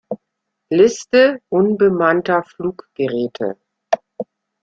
Liste unbemannter Fluggeräte